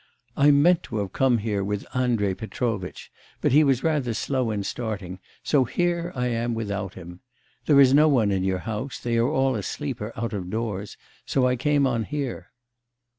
'I meant to have come here with Andrei Petrovitch, but he was rather slow in starting; so here I am without him. There is no one in your house; they are all asleep or out of doors, so I came on here.